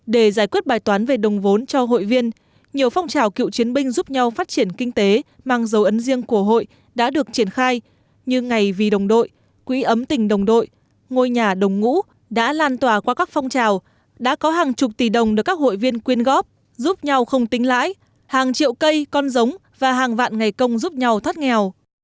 để giải quyết bài toán về đồng vốn cho hội viên nhiều phong trào cựu chiến binh giúp nhau phát triển kinh tế mang dấu ấn riêng của hội đã được triển khai như ngày vì đồng đội quỹ ấm tình đồng đội ngôi nhà đồng ngũ đã lan tòa qua các phong trào đã có hàng chục tỷ đồng được các hội viên quyên góp giúp nhau không tính lãi hàng triệu cây con giống và hàng vạn ngày công giúp nhau thắt nghèo